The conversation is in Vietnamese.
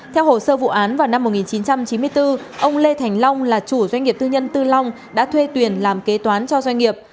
theo hồ sơ vụ án vào năm một nghìn chín trăm chín mươi bốn ông lê thành long là chủ doanh nghiệp tư nhân tư long đã thuê tuyền làm kế toán cho doanh nghiệp